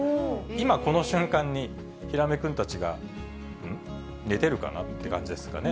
今、この瞬間にヒラメくんたちが寝てるかなって感じですかね。